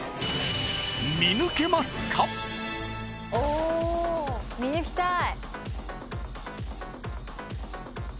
見抜きたい。